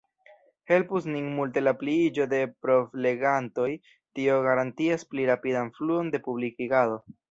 Helpus nin multe la pliiĝo de provlegantoj, tio garantias pli rapidan fluon de publikigado.